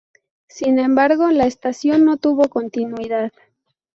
Sin embargo, la estación no tuvo continuidad.